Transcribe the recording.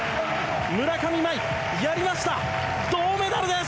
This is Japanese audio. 村上茉愛やりました銅メダルです！